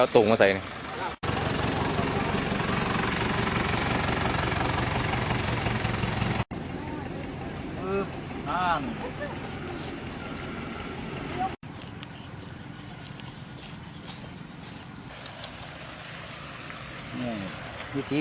สุดท้ายวันสุดท้ายเนื้ออาหารแข็งเท่านี้